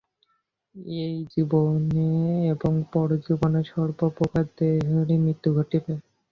ইহজীবনে এবং পরজীবনে সর্বপ্রকার দেহেরই মৃত্যু ঘটিবে।